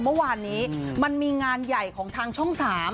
เมื่อวานนี้มันมีงานใหญ่ของทางช่อง๓